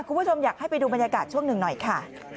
คุณผู้ชมอยากให้ไปดูบรรยากาศช่วงหนึ่งหน่อยค่ะ